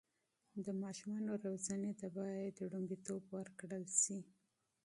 د ماشومانو روزنې ته باید لومړیتوب ورکړل سي.